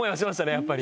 やっぱり。